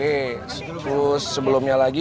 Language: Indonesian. terus sebelumnya lagi